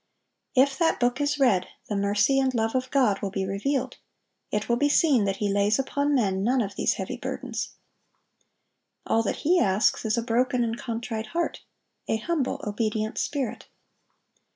If that book is read, the mercy and love of God will be revealed; it will be seen that He lays upon men none of these heavy burdens. All that He asks is a broken and contrite heart, a humble, obedient spirit.